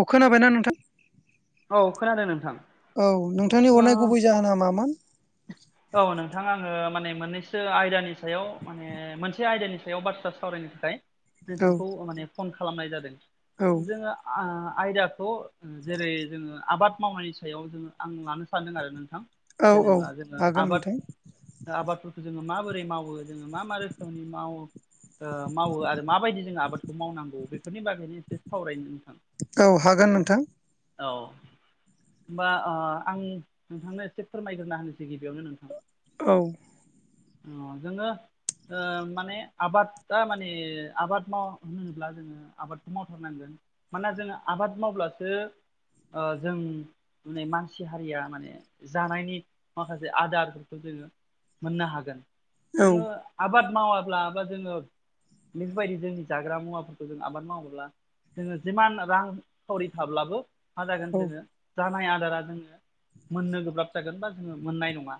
औ खोनाबायना नोंथां? औ खोनादों नोंथां। औ नोंथांनि हरनाय गुबै ओ जाहोना मामोन? [inaudible] औ नोंथाङा आङो माने मोननैसो आयदानि सायाव माने मोनसे आयदानि सायाव बाथ्रा सावरायनो [unintelligible] औ नोंथांखौ माने फन खालामनाय जादों औ जोङो ओ आयदाखौ जेरै ओ आबाद मावनायनि सायाव जोङो आं लानो सानदों आरो नोंथां। औ औ जेनेबा जोङो हागोन आबाद नोंथां आबादफोरखौ जोङो माबोरै मावो जोङो मा मा रोखोमनि मावो ओ मावो आरो माबायदि जोङो आबादखौ मावनांगौ बेफोरनि बागैनो एसे सावरायनो नोंथां। औ हागोन नोंथां। औ। होमबा आं नोंथांनो एसे फोरमायग्रोना होनोसै गिबियावनो नोंथां औ अ जोंङो ओ माने आबादा माने आबाद माव होनोब्ला जोङो आबादखौ मावथारनांगोन मानोना जोङो आबाद मावब्लासो ओ जों नुनाय मानसि हारिया माने जानायनि माखासे आदारफोरखौ जोङो मोननो हागोन औ जोङो आबाद मावाब्ला बा जोङो बेबायदि जोंनि जाग्रा मुवाफोरखौ जों आबाद मावोब्ला जोङो जिमान रां खावरि थाब्लाबो मा जागोन औ जोङो जानाय आदारा जोङो मोननो गोब्राब जागोन बा जोङो मोननाय नङा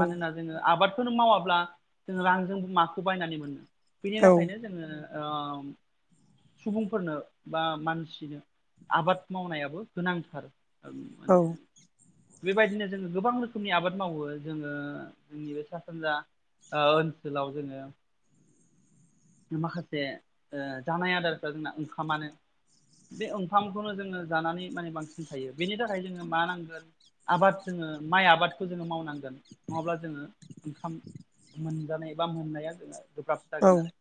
मानोना जोङो आबादफोरनो मावाब्ला जों रांजों माखौ बायनानै मोनो बिनि औ थाखायनो जोङो ओ सुबुंफोरनो बा मानसिनो आबाद मावनायाव गोनांथार औ माने बेबायदिनो जोङो गोबां रोखोमनि आबाद मावो जोङो जोंनि बे सा सानजा ओनसोलाव जोङो माखासे जानाय आदारफ्रा जोंना ओंखामानो बे ओंखामखौनो जोङो जानानै माने बांसिन थायो बेनि थाखाय जोङो मा नांगोन आबाद जोङो माइ आबादखौ जोङो मावनांगोन नङाब्ला जोङो ओंखाम मोनजानाय बा मोननाया जोंना गोब्राब औ जागोन आरो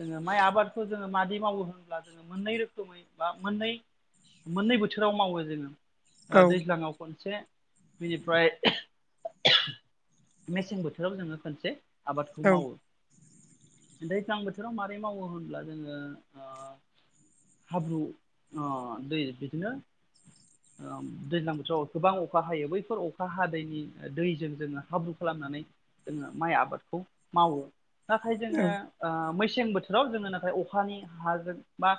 जोङो माइ आबादखौ जोङो मादै मावो होनब्ला जोङो मोननै रोखोमै बा मोननै मोननै बोथोराव मावो जोङो दैज्लाङाव खनसे बिनिफ्राय मेसें बोथोराव जोङो खनसे आबादखौ मावो नथाय दैज्लां बोथोराव माबोरै मावो होनब्ला जोङो हाब्रु दै बिदिनो दैज्लां बोथोराव गोबां अखा हायो बैफोर अखा हादैनि दैजों जोङो हाब्रु खालामनानै जोङो माइ आबादखौ मावो नाथाय जोङो मेसें बोथोराव जोङो नाथाय अखानि हाजों बा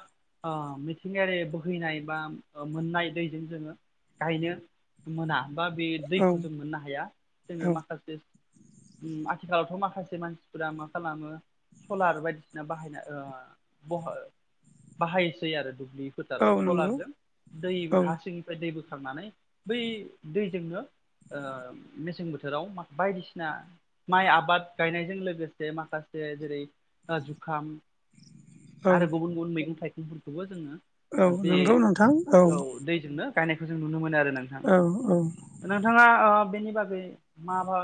मिथिंगायारि बोहैनाय बा मोननाय दैजों जोङो गायनो मोना बा बे औ दैखौ जों मोननो हाया जोङो औ माखासे आथिखालावथ' माखासे मानसिफोरा मा खालामो सलार बायदिसिना बाहायना बाहायसै आरो दुब्लि फोथाराव औ नंगौ सलारजों दै औ हासिंनिफ्राय दै बोखांनानै बै दैजोंनो आ मेसें बोथोराव म बायदिसिना माइ आबाद गायनायजों लोगोसे माखासे जेरै जुखाम औ आरो गुबुन गुबुन मैगं थाइगंफोरखौबो औ जोङो बे नंगौ नोंथां औ दैजोंनो गायनायखौ जों नुनो मोनो आरो ना औ-औ नोंथाङा बेनि बागै माबा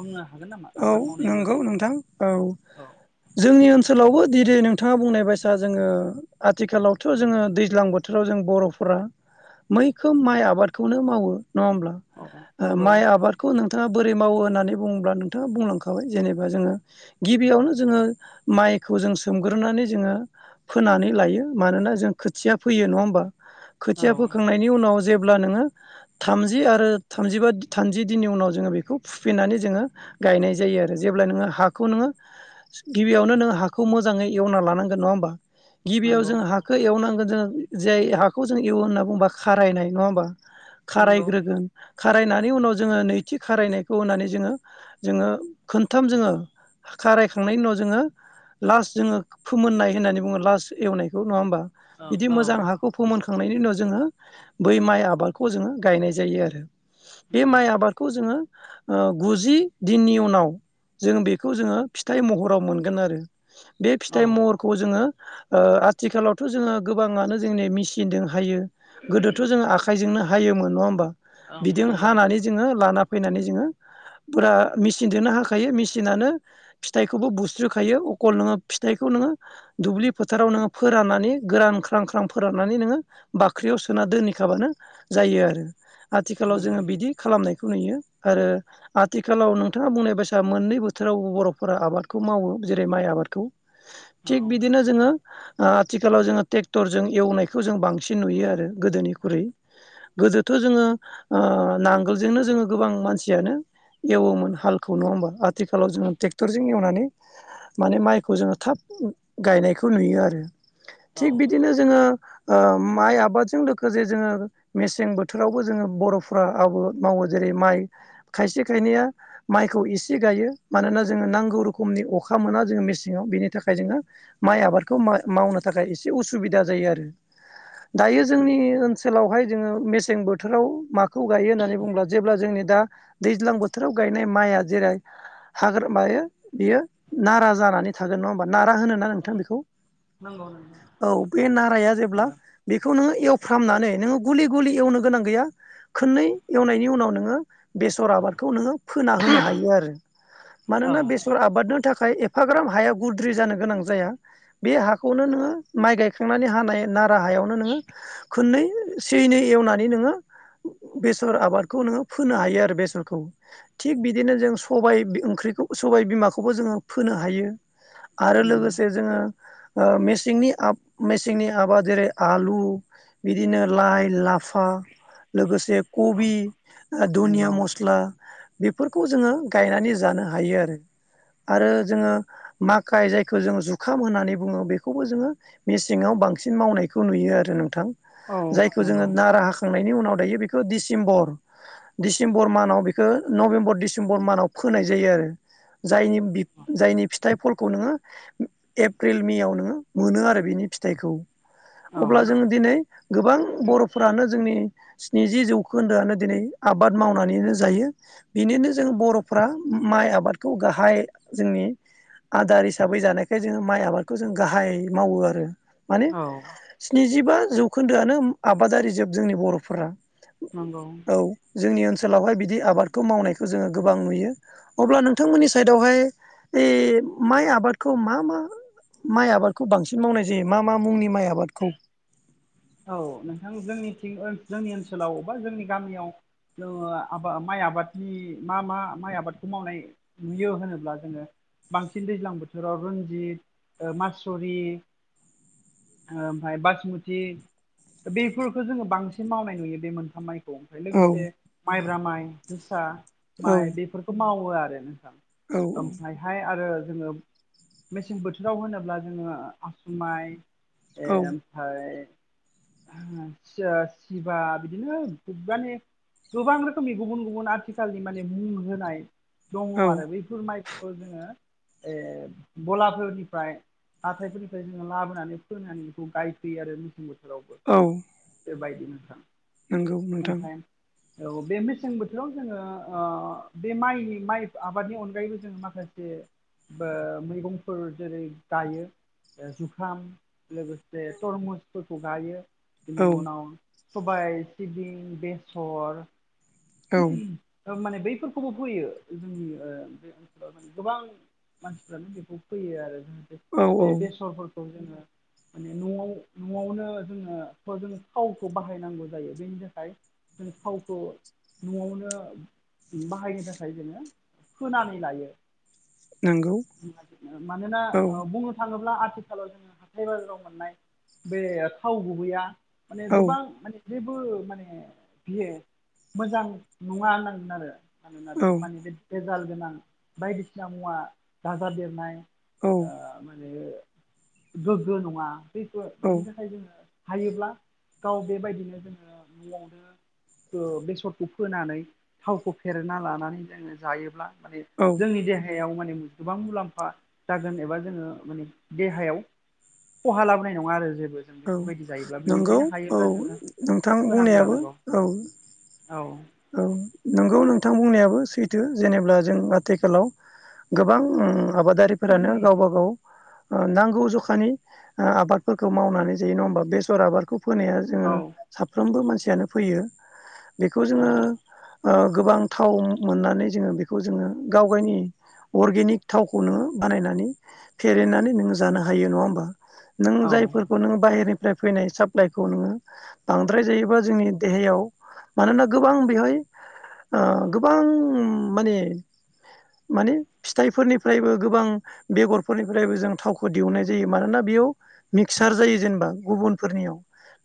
बुंनो हागोन नामा औ आबाद मावनायनि नंगौ बागै नोंथां औ औ जोंनि ओनसोलावबो दिनै नोंथाङा बुंनाय बायसा जोङो आथिखालावथ' जोङो दैज्लां बोथोराव जों बर'फोरा मैखोम माइ आबादखौनो मावो नङा होमब्ला औ नंगौ माइ आबादखौ नोंथाङा बोरै मावो होननानै बुङोब्ला नोंथाङा बुंलांखाबाय जेनेबा जोङो गिबियावनो जोङो माइखौ जों सोमग्रोनानै जोङो फोनानै लायो मानोना जों खोथिया फोयो नङा होमबा औ खोथिया फोखांनाय बेनि उनाव जेब्ला नोङो थामजि आरो थामजिबा थामजि दिननि उनाव जोङो बेखौ फुफैनानै जोङो गायनाय जायो आरो जेब्ला नोङो हाखौ नोङो गिबियावनो नोनों हाखौ मोजाङै एवना लानांगोन नङा होमबा गिबियाव नंगौ जों हाखौ इखौ एवनांगोन जोङो जाय हाखौ जों एवो होनना बुंबा खारायनाय नङा होमबा नंगौ खारायग्रोगोन खारायनानै उनाव जोङो नैथि खारायनायखौ होननानै जोङो जोङो खोनथाम जोङो खारायखांनायनि उनाव जोङो लास्ट जोङो फोमोननाय होननानै बुङो लास्ट एवनायखौ नङा होमबा औ बिदि औ मोजां हा खौ फोमोनखांनायनि उनाव जोङो बै माइ आबादखौ जोङो गायनाय जायो आरो बे नंगौ माइ आबादखौ जोङो गुजि दिननि उनाव जों बेखौ जोङो फिथाइ महराव मोनगोन आरो बे औ फिथाइ महर खौ जोङो ओ आथिखालावथ' जोङो गोबाङानो जोंनि मेचिनजों हायो गोदोथ' जों आखाइजोंनो हायोमोन नङा होमबा औ बिजों नंगौ हानानै जोङो लाना फैनानै जोङो फुरा मेचिनजोंनो हाखायो मेचिनानो फिथाइखौबो बुस्रिखायो अखल नोङो फिथाइखौ नोङो दुब्लि फोथाराव नोङो फोराननानै गोरान ख्रां ख्रां फोराननानै नोङो बाख्रियाव सोना दोनहैखाबानो जायो आरो आथिखालाव नंगौ जोङो बिदि खालामनायखौ नुयो आरो आथिखालाव नोंथाङा बुंनाय बायसा मोननै बोथोरावबो बर'फोरा आबादखौ मावो जेरै माइ आबादखौ औ थिग बिदिनो जोङो आथिखालाव जोङो ट्रेक्टरजों एवनायखौ जों बांसिन नुयो आरो गोदोनिख्रुइ गोदोथ' जोङो नांगोलजोंनो जोङो गोबां मानसियानो एवोमोन हालखौ नङा होमबा आथिखालाव जोङो ट्रेक्टरजों एवनानै माने माइखौ जोङो थाब गायनायखौ नुयो आरो औ थिग बिदिनो जोङो माइ आबादजों लोगोसे जोङो मेसें बोथोरावबो जोङो बर'फ आबाद मावो जेरै माइ खायसे खायनैया माइखौ एसे गायो मानोना जोङो नांगौ रोखोमनि अखा मोना जोङो मेसेङाव बेनि थाखाय जोङो माइ आबादखौ मावनो थाखाय एसे उसुबिदा जायो आरो दायो जोंनि ओनसोलावहाय जोङो मेसें बोथोराव माखासे खौ गायो होननानै बुंब्ला जेब्ला जोंनि दा दैज्लां बोथोराव गायनाय माइया जेरै हाग्रा मायो बियो नारा जानानै थागोन नङा होमबा नारा होनो ना औ नोंथां बेखौ नंगौ नंगौ औ बे नाराया जेब्ला आरो बेखौ नोङो एवफ्रामनानै नोङो गुलि गुलि एवनो गोनां गैया खननै एवनायनि उनाव नोङो बेसर आबादखौ नोङो फोना होनो हायो आरो औ मानोना बेसर आबादनो थाखाय एफाग्राम हाया गुद्रि जानो गोनां जाया बे हाखौनो नोङो माइ गायखांनानै हानाय नाराहायावनो नोङो खननै से एनै एवनानै नोङो बेसर आबादखौ नोङो फोनो हायो आरो आरो बेसरखौ थिग बिदिनो जों सबाय ओंख्रिखौ सबाय बिमाखौबो जोङो फोनो हायो आरो उम लोगोसे जोङो मेसेंनि मेसेंनि आबाद जेरै आलु बिदिनो लाइ लाफा फा लोगोसे औ खबि दुनदिया नंगौ मटर मस्ला बेफोरखौ जोङो गायनानै जानो हायो आरो आरो जोङो माखाय जायखौ जोङो जुखाम होननानै बुङो बेखौबो जोङो मेसेङाव बांसिन मावनायखौ नुयो आरो नोंथां औ जायखौ जोङो नंगौ नारा हाखांनायनि उनाव दायो बेखौ डिसेम्बर दिसेम्बर बर मानाव बेखौ नभेम्बर डिसेम्बर मानाव फोनाय जायो आरो जायनि बि औ जायनि फिथाइ फलखौ नोङो एप्रिल मेव नोङो मोनो आरो बिनि फिथाइखौ अब्ला जोङो दिनै गोबां बर'फोरानो जोंनि स्निजि जौखोन्दोआनो दिनै आबाद आबाद मावनानैनो जायो बेनिनो जों बर'फ्रा माइ आबादखौ गाहाय जोंनि आदार हिसाबै जानायखाय जोङो माइ आबादखौ जों गाहाय मावो आरो माने स्निजिबा जौखोन्दोआनो आबादारि जोब जोंनि बर'फोरा नंगौ औ जोंनि ओनसोलावहाय बिदि आबादखौ मावनायखौ जोङो गोबां नुयो अब्ला नोंथांमोननि साइडावहाय ओइ माइ आबादखौ मा मा माइ आबादखौ बांसिन मावनाय जायो मा मा मुंनि माइ आबादखौ? औ नोंथां जोंनिं जोंनि ओनसोलाव बा जोंनि गामियाव। जोङो आबाद माइ आबादनि मा मा माइ आबादखौ मावनाय नुयो होनोब्ला जोङो। बांसिन दैज्लां बोथोराव रनजित मासुरि ओमफ्राय बासमथि दा बेफोरखौ जोङो बांसिन मावनाय नुयो बे मोनथाम माइखौ ओमफ्राय औ लोगोसे माइब्रा माइ जोसा औ माइ बेफोरखौ मावो आरो नोंथां औ ओमफ्राय बेहाय आरो जोङो मेसें बोथोराव होनोब्ला जोङो आसुमाइ ए औ ओमफफ्राय सि सिभा बिदिनो बुबबानि गोबां रोखोमनि गुबुन गुबुन आथिखालनि माने मुं होनाय दङ औ आरो बे माइखौ जोङो ए बलाफोरनिफ्राय हाथायफोरनिफ्राय जोङो लाबोनानै फोनानै बेखौ गायफैयो आरो मेसें बोथोरावबो औ बेबायदि नथां नंगौ नोंथां खमथाय [unintelligible] औ बे मेसें बोथोराव जोङो बे माइनि माइ आबादनि अनगायैबो जोङो माखासे मैगंफोर जेरै गायो। जुखाम बे तरमुज स गायो औ बिनि उनाव सबाय सिबिं बेसर औ माने बैफोरखौबो फैयो जोंनि बे ओनसोलाव मान गोबां मानसिफ्रानो बेखौ फैयो आरो जोङ औ औ बे बेसरफोरखौ जोङो माने न'आव न'आवनो जोङो जों फावखौ बाहायनांगौ जायो बेनि थाखाय। फावखौ न'आवनो बाहायनो थाखाय जोङो फोनानै लायो। नंगौ मानोना औ बुंनो थाङोब्ला आथिखालाव जोङो हाथाय बाजाराव मोननाय बे थाव गुबैया माने औ गोबां माने जेबो माने बियो मोजां नङा होनांगोन आरो मानोना औ माने बे एजाल गोनां बायदिसिना मुवा दाज देरनाय औ माने गोग्गो नङाैफोरो औ बिनि थाखाय जोङो हायोब्ला गाव बेबायदिनो जोङो न'आवनो बे रखौ फोनानै थावखौ फेरना लानानै जोङो जायोब्ला माने औ जोंनि देहायाव माने गोबां मुलाम्फा जागोन एबा जोङो माने देहायाव खहा लाबोनाय नङा आरो जेबो जों औ बेफोरबायदि जायोब्ला नंगौ बेनिखायनो औ हायोब्ला जोङो नोंथां फोनानै बुंनायाबो लानांगौ औ औ औ नोंगौ नोंथां बुंनायाबो सैथो जेनेा जों आथिखालाव गोबां आबादारिफोरानो गावब गाव नांगौ जखानि आबादफोरखौ मावनानै जायो नङा होमबा बेसर आबादखौ फोनाया जोङो औ साफ्रोमबो मानसियानो फैयो बेखौ औ जोङो गोबां थाव मोननानै जोङो बेखौ जोङो गाव गावनि अर्गेनिक थावखौ नोङो बानायनानै फेरेनानै नोङो जानो हायो नङा होमबा। नों औ जायफोर नों बायहेरनिफ्राय फैनाय साप्लाइखौ नोङो बांद्राय जायोबा जोंनि देहायाव मानोना गोबां बेहाय ओ गोबां माने माने फिथाइफोरनिफ्रायबो गोबां बेगरफोरनिफ्रायबो जों थावखौ दिहुननाय जायो मानोना बेयाव मिक्सार जायो जेनेबा गुबुनफोरनियाव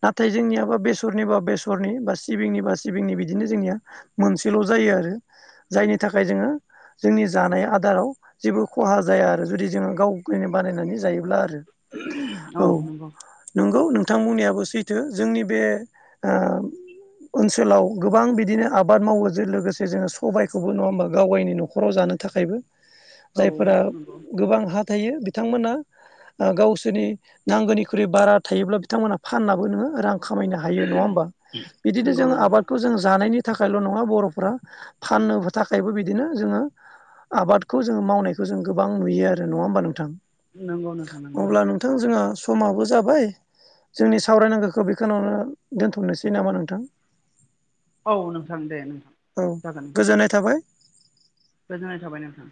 नाथाय जोंनियाबा बेसरनिबा बेसरनि बा सिबिंनिबा सिबिंनि बिदिनो जोंनिया मोनसेल' जायो आरो जायनि थाखाय जोङो जोंनि जानाय आदाराव जेबो खहा जाया आरो जुदि जोङो गावनो बानायनानै जायोब्ला आरो। औ नंगौ नोंथांमोननियाबो सैथो जोंनि बे ओनसोलाव गोबां बिदिनो आबाद मावोजों लोगोसे जोङो सबायखौबो नङा होमबा गाव गायनि न'खराव जानो थाखायबो औ जायफोरा नंगौ गोबां हा थायो बिथांमोना ओ गावसोरनि नांगौनिख्रुइ बारा थायोब्ला बिथांमोनहा फाननाबो नोङो रां खामायनो हायो नङा होमबा बिदिनो नंगौ जों आ नंगौ खौ जों जानायनि थाखायल' नङा बर'फोरा फाननो थाखायबो बिदिनो जोङो आबादखौ जोङो मावनायखौ जों गोबां नुयो आरो नङा होमबा नोंथां नंगौ नोंथां नंगौ। थ' जोंहा समाबो जाबाय जोंनि सावरायनांगौखौ बेखौनो दोनथ'नोसै नामा नोंथां। औ नोंथां दे नोंथां। औ जागोन नोंथां गोजोननाय थाबाय। गोजोननाय थाबाय नोंथां।